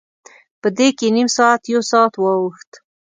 په دې کې نیم ساعت، یو ساعت واوښت.